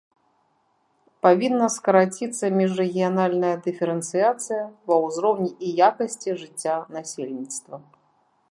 Павінна скараціцца міжрэгіянальная дыферэнцыяцыя ва ўзроўні і якасці жыцця насельніцтва.